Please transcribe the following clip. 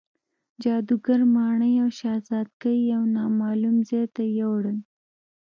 جادوګر ماڼۍ او شهزادګۍ یو نامعلوم ځای ته یووړل.